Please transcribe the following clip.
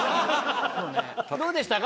どうでしたか？